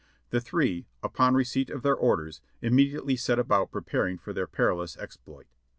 The three, upon receipt of their orders, immediately set about pre paring for their perilous exploit.